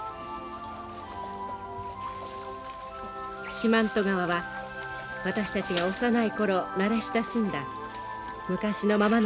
四万十川は私たちが幼い頃慣れ親しんだ昔のままの川でした。